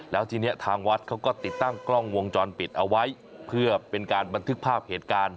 แล้วทีนี้ทางวัดเขาก็ติดตั้งกล้องวงจรปิดเอาไว้เพื่อเป็นการบันทึกภาพเหตุการณ์